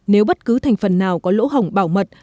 nếu bất cứ thành phần nào có lỗ hỏng bảo mật